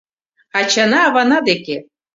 Ачана-авана деке.